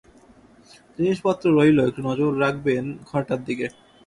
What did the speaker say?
জিনিসপত্র রইল, একটু নজর রাখবেন ঘরটার দিকে।